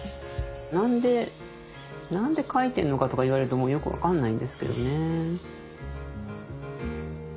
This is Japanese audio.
「何で書いてんのか」とか言われるともうよく分かんないんですけどね。